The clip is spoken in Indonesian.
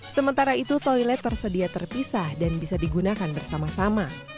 sementara itu toilet tersedia terpisah dan bisa digunakan bersama sama